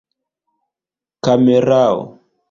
kamerao